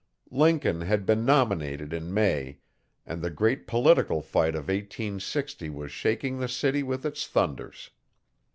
Lincoln had been nominated in May, and the great political fight of 1860 was shaking the city with its thunders.